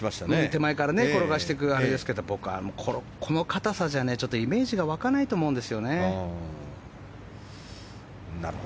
手前から転がしていく弾道でしたけど僕は、この硬さじゃイメージが湧かないと思うんですね。